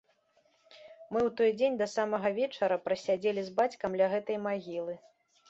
Мы ў той дзень да самага вечара прасядзелі з бацькам ля гэтай магілы.